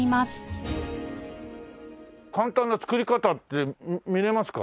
簡単な作り方って見れますか？